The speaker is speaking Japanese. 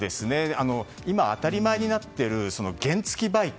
今、当たり前になっている原付きバイク。